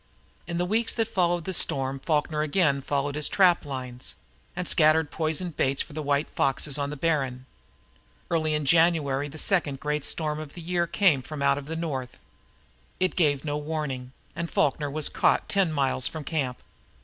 In the weeks that followed the storm Falkner again followed his trap lines, and scattered poison baits for the white foxes on the Barren. Early in January the second great storm of that year came from out of the North. It gave no warning, and Falkner was caught ten miles from camp.